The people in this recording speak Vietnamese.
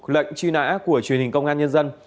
lệnh truy nã của truyền hình công an nhân dân